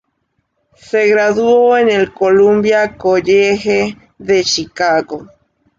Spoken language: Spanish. Se graduó en el Columbia College de Chicago.